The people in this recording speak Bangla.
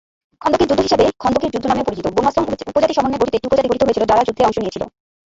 খন্দকের যুদ্ধ হিসাবে খন্দকের যুদ্ধ নামেও পরিচিত, বনু আসলাম উপজাতির সমন্বয়ে গঠিত একটি উপজাতি গঠিত হয়েছিল যারা যুদ্ধে অংশ নিয়েছিল।